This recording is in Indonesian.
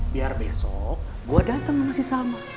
biar besok gua dateng sama si salma